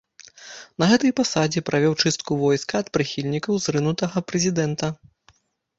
На гэтай пасадзе правёў чыстку войска ад прыхільнікаў зрынутага прэзідэнта.